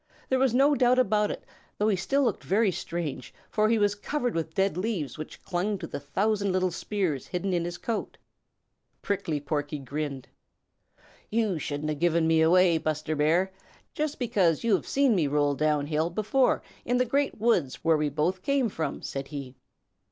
There was no doubt about it, though he still looked very strange, for he was covered with dead leaves which clung to the thousand little spears hidden in his coat. Prickly Porky grinned. "You shouldn't have given me away, Buster Bear, just because you have seen me roll down hill before in the Great Woods where we both came from," said he.